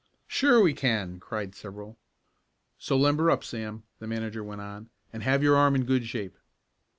"Sure we can!" cried several. "So limber up, Sam," the manager went on, "and have your arm in good shape."